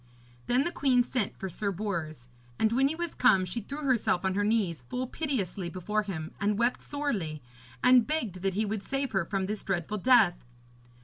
Then the queen sent for Sir Bors, and when he was come she threw herself on her knees full piteously before him, and wept sorely, and begged that he would save her from this dreadful death.